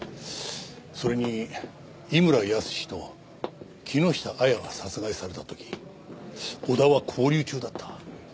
それに井村泰と木下亜矢が殺害された時小田は勾留中だった。